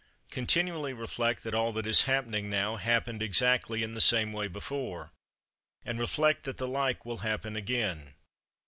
27. Continually reflect that all that is happening now happened exactly in the same way before; and reflect that the like will happen again.